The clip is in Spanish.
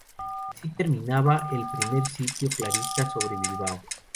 Así, terminaba el primer sitio carlista sobre Bilbao.